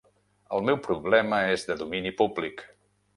El meu problema és de domini públic.